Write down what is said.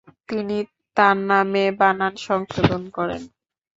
তিনি তার নামে বানান সংশোধন করেন।